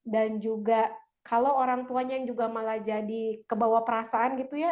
dan juga kalau orang tuanya yang juga malah jadi kebawa perasaan gitu ya